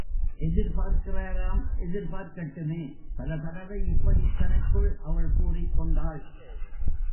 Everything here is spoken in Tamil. எதிர்பார்க்கிறாராம் எதிர் பார்க்கட்டுமே! பல தடவை இப்படித் தனக்குள் அவள் கூறிக் கொண்டாள்.